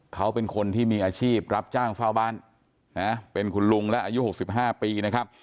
เขาเป็นคนที่มีอาชีพรับจ้างเฝ้าบ้านนะเป็นคุณลุงและอายุ๖๕ปีนะครับ